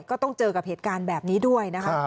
ก็ต้องเจอกับเหตุการณ์แบบนี้ด้วยนะคะ